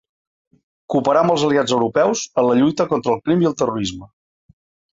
Cooperar amb els aliats europeus en la lluita contra ‘el crim i el terrorisme’